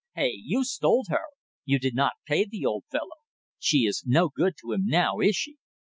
Hey! You stole her. You did not pay the old fellow. She is no good to him now, is she?"